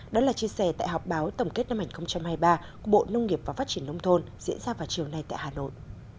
đó là chia sẻ tại họp báo tổng kết năm hai nghìn hai mươi ba của bộ nông nghiệp và phát triển nông thôn diễn ra vào chiều nay tại hà nội